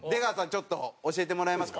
ちょっと教えてもらえますか？